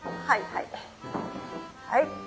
はい。